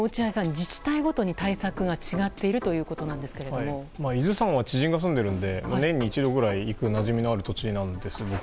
自治体ごとに対策が違っている伊豆山は知人が住んでいるので年に一度くらい行くなじみのある土地なんです。